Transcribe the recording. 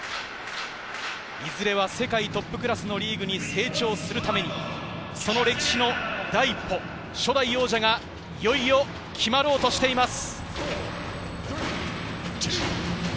いずれは世界トップクラスのリーグに成長するために、その歴史の第一歩、初代王者がいよいよ決まろうとしています。